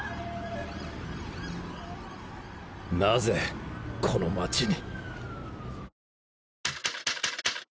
なぜこの街に。